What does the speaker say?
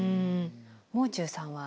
もう中さんは？